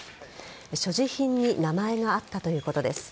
所持品に名前があったということです。